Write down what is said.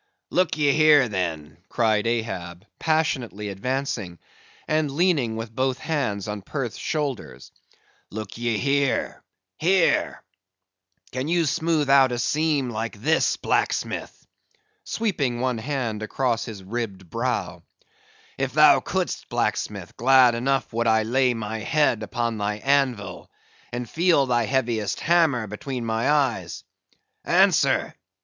"Look ye here, then," cried Ahab, passionately advancing, and leaning with both hands on Perth's shoulders; "look ye here—here—can ye smoothe out a seam like this, blacksmith," sweeping one hand across his ribbed brow; "if thou could'st, blacksmith, glad enough would I lay my head upon thy anvil, and feel thy heaviest hammer between my eyes. Answer!